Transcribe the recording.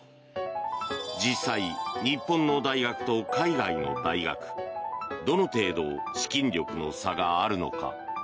実際、日本の大学と海外の大学どの程度資金力の差があるのか。